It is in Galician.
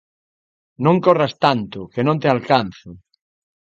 Non corras tanto, que non te alcanzo.